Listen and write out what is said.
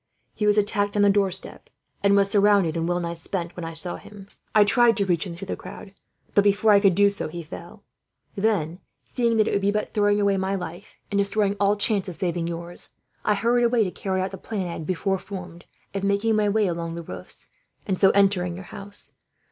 He was attacked on the doorstep, and was surrounded, and well nigh spent, when I saw him. I tried to reach him through the crowd but, before I could do so, he fell. "Then, seeing that it would be but throwing away my life, and destroying all chance of saving yours, I hurried away to carry out the plan I had before formed of making my way along the roofs, and so entering your house.